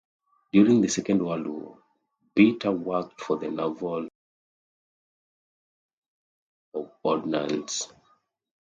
During the Second World War, Bitter worked for the Naval Bureau of Ordnance.